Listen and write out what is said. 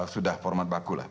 sudah format baku lah